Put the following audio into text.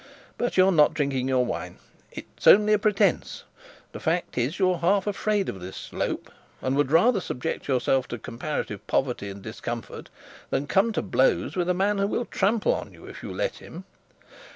But you're not drinking your wine. It is only a pretence. The fact is, you are half afraid of this Slope, and would rather subject yourself to comparative poverty and discomfort, than come to blows with a man who will trample on you, if you let him.'